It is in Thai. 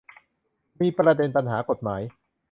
มีประเด็นปัญหากฎหมาย